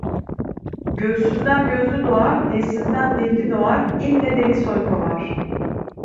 Gözsüzden gözlü doğar, dilsizden dilli doğar, ille deli soy kovar.